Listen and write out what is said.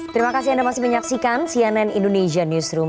terima kasih anda masih menyaksikan cnn indonesia newsroom